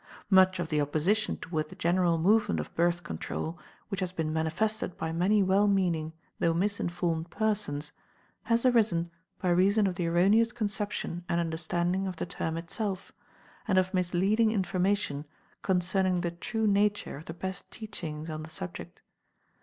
Much of the opposition toward the general movement of Birth Control which has been manifested by many well meaning, though misinformed, persons, has arisen by reason of the erroneous conception and understanding of the term itself, and of misleading information concerning the true nature of the best teachings on the subject.